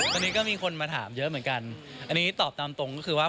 ตอนนี้ก็มีคนมาถามเยอะเหมือนกันอันนี้ตอบตามตรงก็คือว่า